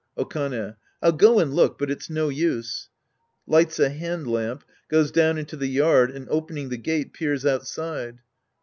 Okane. I'll go and look, but it's no use. {Lights a hand lamp, goes down into the yard and, opening the gate, peers outside.)